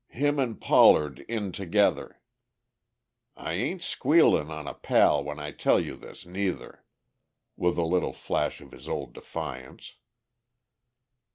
Him and Pollard in together. I ain't squealin' on a pal when I tell you this, neither," with a little flash of his old defiance.